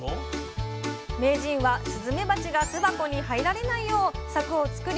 名人はスズメバチが巣箱に入られないよう柵を作り